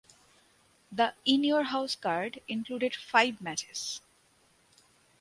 The In Your House card included five matches.